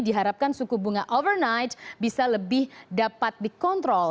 diharapkan suku bunga overnight bisa lebih dapat dikontrol